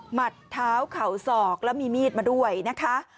มัดเท้าเข่าศอกแล้วมีมีดมาด้วยนะคะ